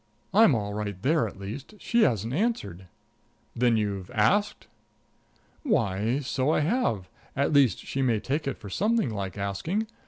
"I'm all right there, at least. She hasn't answered." "Then you've asked?" "Why, so I have; at least she may take it for something like asking.